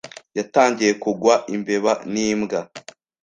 Yatangiye kugwa imbeba nimbwa.